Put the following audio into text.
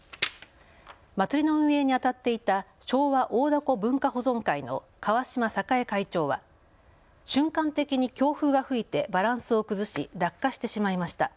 祭りの運営にあたっていた庄和大凧文化保存会の川島栄会長は瞬間的に強風が吹いてバランスを崩し落下してしまいました。